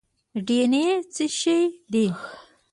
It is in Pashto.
ډي این اې څه شی دی؟